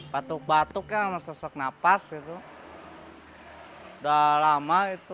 patuk patuknya sama sesek napas udah lama itu